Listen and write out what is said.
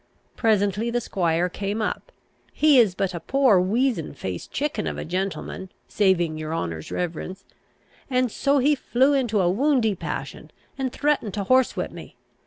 Presently the squire came up. He is but a poor, weazen face chicken of a gentleman, saving your honour's reverence. And so he flew into a woundy passion, and threatened to horsewhip me.